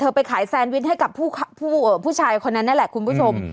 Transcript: ไปขายแซนวิชให้กับผู้ชายคนนั้นนั่นแหละคุณผู้ชม